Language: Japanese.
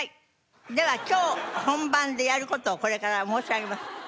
では今日本番でやる事をこれから申し上げます。